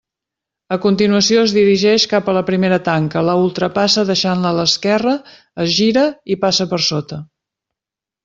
A continuació es dirigeix cap a la primera tanca, la ultrapassa deixant-la a l'esquerra, es gira i passa per sota.